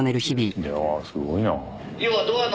いやすごいな。